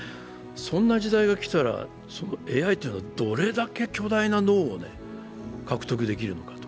そんな時代がきたらＡＩが、どれだけ巨大な脳が獲得できるのか。